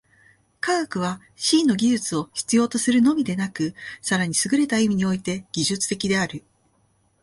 科学は思惟の技術を必要とするのみでなく、更にすぐれた意味において技術的である。